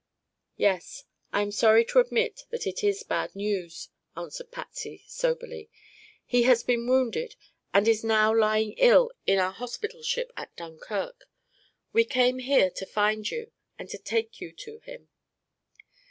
"Yes, I am sorry to admit that it is bad news," answered Patsy soberly. "He has been wounded and is now lying ill in our hospital ship at Dunkirk. We came here to find you, and to take you to him."